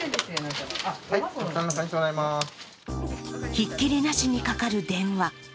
ひっきりなしにかかる電話。